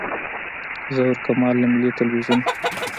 ظهور کمال له ملي تلویزیون و.